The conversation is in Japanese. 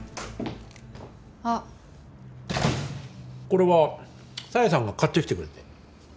これは紗英さんが買ってきてくれて。